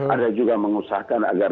ada juga mengusahakan agar